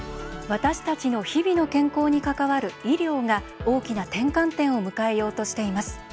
私たちの日々の健康に関わる医療が大きな転換点を迎えようとしています。